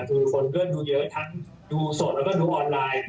คือคนก็ดูเยอะทั้งดูสดแล้วก็ดูออนไลน์